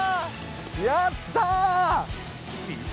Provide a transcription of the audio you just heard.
やった！